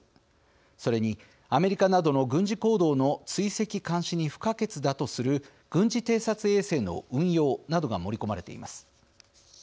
それにアメリカなどの軍事行動の追跡・監視に不可欠だとする軍事偵察衛星の運用などが盛り込まれています。